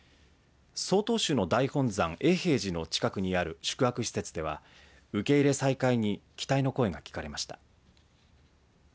曹洞宗の大本山永平寺の近くにある宿泊施設では受け入れ再開に期待の声が聞かれました。